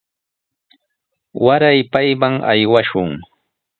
Waray payman aywashun.